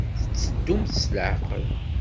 Tetteddumt s leɛqel.